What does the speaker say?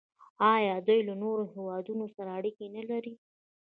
آیا دوی له نورو هیوادونو سره اړیکې نلري؟